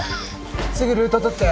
すぐルートとって。